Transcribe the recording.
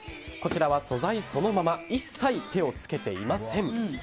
こちらは素材そのまま一切手をつけていません。